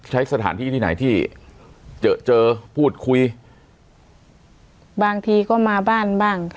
ใช้สถานที่ที่ไหนที่เจอเจอพูดคุยบางทีก็มาบ้านบ้าง